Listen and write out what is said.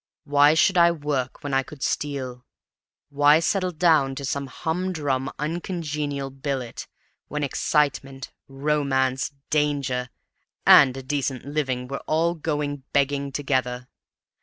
Why should I work when I could steal? Why settle down to some humdrum uncongenial billet, when excitement, romance, danger and a decent living were all going begging together?